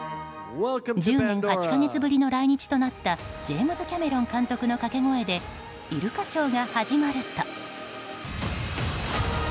１０年８か月ぶりの来日となったジェームズ・キャメロン監督のかけ声でイルカショーが始まると。